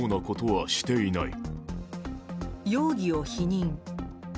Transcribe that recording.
容疑を否認。